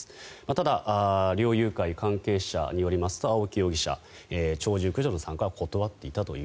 ただ、猟友会関係者によりますと青木容疑者は鳥獣駆除の参加は断っていたと。